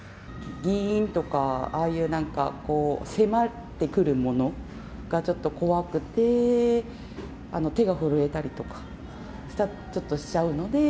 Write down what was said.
ぎーんとか、ああいうなんか、迫ってくるものがちょっと怖くて、手が震えたりとか、ちょっとしちゃうので。